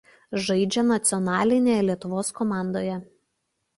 Žaidžia nacionalinėje Lietuvos komandoje.